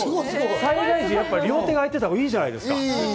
災害時、両手があいた方がいいじゃないですか。